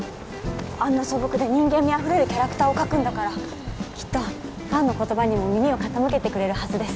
あんな素朴で人間味あふれるキャラクターをかくんだからきっとファンの言葉にも耳を傾けてくれるはずです